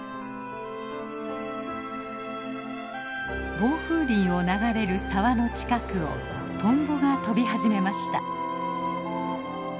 防風林を流れる沢の近くをトンボが飛び始めました。